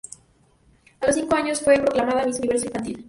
A los cinco años fue proclamada Miss universo infantil.